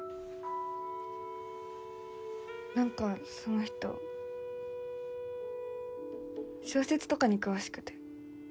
何かその人小説とかに詳しくて。